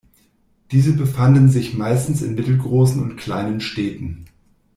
Diese befanden sich meistens in mittelgroßen und kleinen Städten.